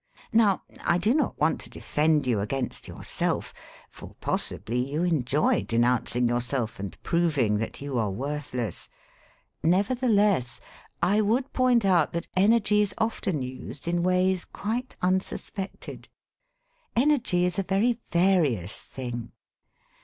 Now, I do not want to defend you against yourself (for possibly you enjoy denounc ing yourself and proving that you are worthless). Nevertheless, I would point out that energy is often used in ways quite unsuspected. Energy is a very various thing.